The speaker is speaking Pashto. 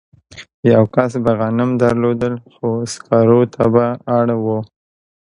یوه کس به غنم درلودل خو سکارو ته به اړ و